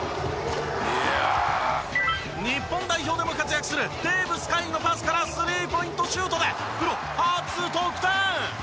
日本代表でも活躍するテーブス海のパスからスリーポイントシュートでプロ初得点！